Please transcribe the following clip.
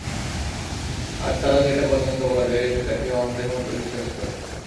আর তারা যেটা পছন্দ করে সেটাকে অন্ধের মতো বিশ্বাস করে।